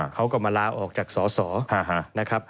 เขาก็มาลาออกจากสอสอนะครับ